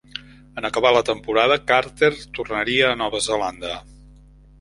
En acabar la temporada, Carter tornaria a Nova Zelanda.